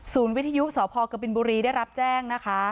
วิทยุสพกบินบุรีได้รับแจ้งนะคะ